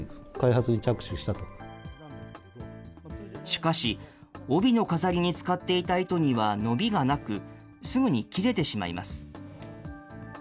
しかし、帯の飾りに使っていた糸には伸びがなく、すぐに切れてしまいます。